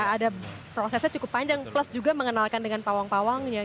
ada prosesnya cukup panjang plus juga mengenalkan dengan pawang pawangnya